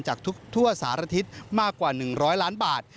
จากทุกสารทิศมากกว่า๑๐๐ล้านบาท